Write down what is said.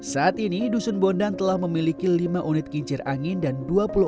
saat ini dusun bondan telah memiliki lima unit kincir angin dan dua puluh empat